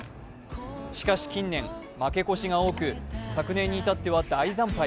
しかし近年、負け越しが多く、昨年に至っては大惨敗。